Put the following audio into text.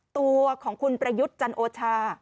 ตัวของคุณประยุทธ์จันโอชา